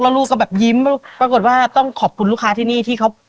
แล้วลูกก็แบบยิ้มปรากฏว่าต้องขอบคุณลูกค้าที่นี่ที่เขา